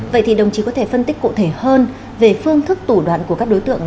vậy thì đồng chí có thể phân tích cụ thể hơn về phương thức thủ đoạn của các đối tượng